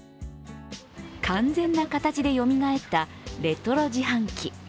完全な形でよみがえったレトロ自販機。